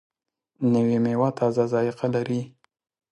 نوې میوه تازه ذایقه لري